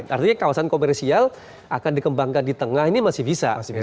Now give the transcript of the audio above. artinya kawasan komersial akan dikembangkan di tengah ini masih bisa